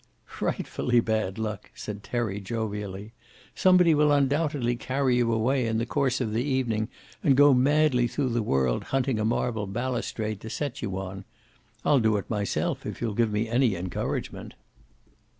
"Frightfully bad luck," said Terry, jovially. "Some one will undoubtedly carry you away, in the course of the evening, and go madly through the world hunting a marble balustrade to set you on. I'll do it myself if you'll give me any encouragement."